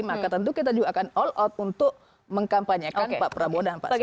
maka tentu kita juga akan all out untuk mengkampanyekan pak prabowo dan pak sandi